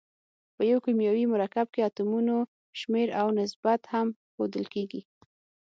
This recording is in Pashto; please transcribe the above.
په یو کیمیاوي مرکب کې اتومونو شمیر او نسبت هم ښودل کیږي.